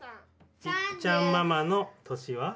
いっちゃんママの年は？